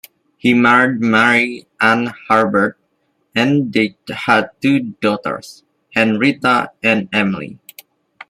He married Mary Ann Herbert, and they had two daughters, Henrietta and Emily.